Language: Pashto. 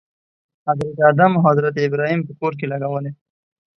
حضرت آدم او حضرت ابراهیم په کور کې لګولی.